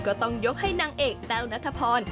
ก็ต้องยกให้นางเอกแต้วนัทพร